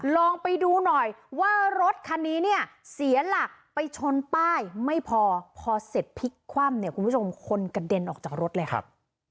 ลองไปดูหน่อยว่ารถคันนี้เนี่ยเสียหลักไปชนป้ายไม่พอพอเสร็จพลิกคว่ำเนี่ยคุณผู้ชมคนกระเด็นออกจากรถเลยครับ